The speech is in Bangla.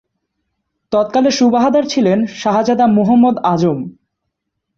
তৎকালে সুবাহদার ছিলেন শাহজাদা মুহম্মদ আজম।